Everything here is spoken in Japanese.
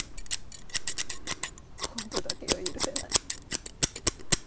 今度だけは許せない。